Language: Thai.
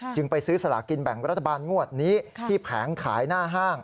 ไปซื้อสลากินแบ่งรัฐบาลงวดนี้ที่แผงขายหน้าห้าง